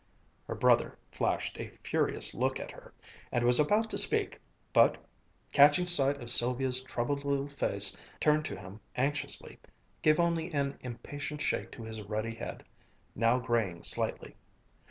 '" Her brother flashed a furious look at her, and was about to speak, but catching sight of Sylvia's troubled little face turned to him anxiously, gave only an impatient shake to his ruddy head now graying slightly.